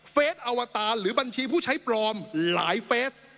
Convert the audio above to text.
อวตารหรือบัญชีผู้ใช้ปลอมหลายเฟส